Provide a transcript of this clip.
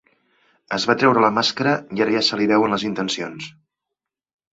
Es va treure la màscara, i ara ja se li veuen les intencions.